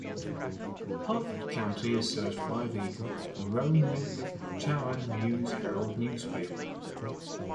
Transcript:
Hertford County is served by the "Roanoke-Chowan News-Herald" newspaper.